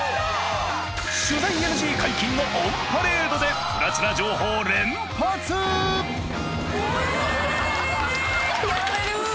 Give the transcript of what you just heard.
取材ＮＧ解禁のオンパレードでプラチナ情報連発やられる。